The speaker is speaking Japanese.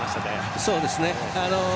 そうですね。